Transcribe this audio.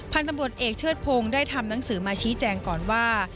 พันธุ์ตำรวจเอกเชิดพงศ์ได้ทำหนังสือมาชี้แจงก่อนว่า